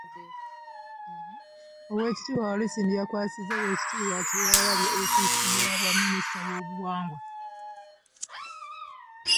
Oweekitiibwa Walusimbi yakwasizza Oweekitiibwa Kyewalabye ofiisi y’obwa minisita w’Obuwangwa.